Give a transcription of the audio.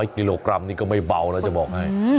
๓๐๐กิโลกรัมนี่ก็ไม่เบานะจะบอกให้